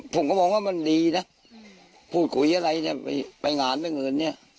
ผมก็บอกว่ามันดีนะพูดคุยอะไรเนี้ยไปไปงานเป็นเงินเนี้ย